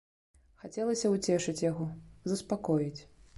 Хацелася ўцешыць яго, заспакоіць.